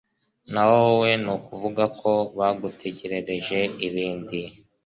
naho wowe ni ukuvuga ko bagutegerereje ibindi